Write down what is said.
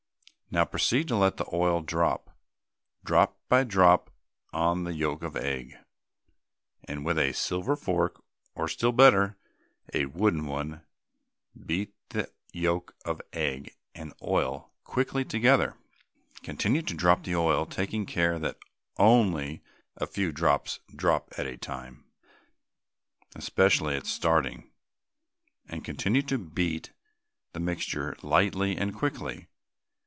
Now proceed to let the oil drop, drop by drop, on the yolk of egg, and with a silver fork, or still better, a wooden one, beat the yolk of egg and oil quickly together. Continue to drop the oil, taking care that only a few drops drop at a time, especially at starting, and continue to beat the mixture lightly and quickly.